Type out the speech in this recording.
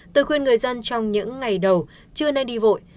tôi khuyên người dân trong những ngày đầu chưa nên đi vội